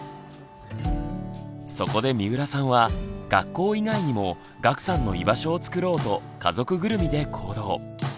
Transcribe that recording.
そこで三浦さんは学校以外にも岳さんの居場所をつくろうと家族ぐるみで行動。